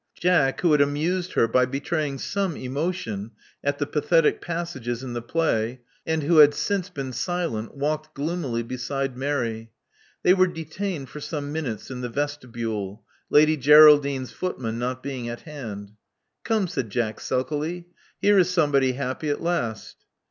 Jack, who had amused her by betraying some emotion at the pathetic pas sages in the play, and who had since been silent, walked gloomily beside Mary. They were detained for some minutes in the vestibule, Lady Greraldine's footman not being at hand. '*Come," said Jack, sulkily. "Here is somebody happy at last."